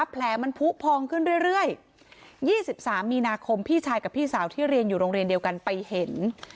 แผลมันผู้พองขึ้นเรื่อย๒๓มีนาคมพี่ชายกับพี่สาวที่เรียนอยู่โรงเรียนเดียวกันไปเห็น